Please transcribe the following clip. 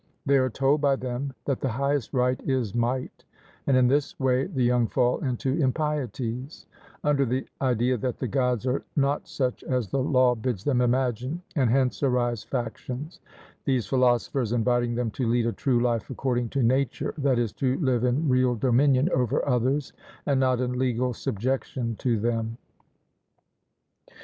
They are told by them that the highest right is might, and in this way the young fall into impieties, under the idea that the Gods are not such as the law bids them imagine; and hence arise factions, these philosophers inviting them to lead a true life according to nature, that is, to live in real dominion over others, and not in legal subjection to them.